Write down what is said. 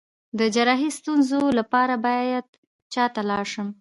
د جراحي ستونزو لپاره باید چا ته لاړ شم؟